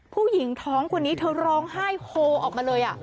ผู้หญิงท้องคนนี้เธอร้องไห้โฮออกมาเลย